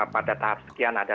pada tahap sekian ada